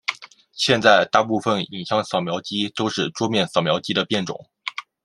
现在大部份影像扫描机都是桌面扫描机的变种。